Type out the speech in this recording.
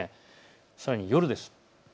さらに夜です。